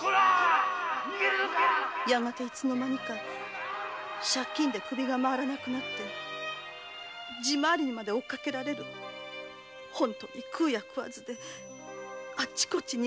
やがていつのまにか借金で首が回らなくなって地回りにまで追っかけられ食うや食わずであっちこっちを逃げ回りました。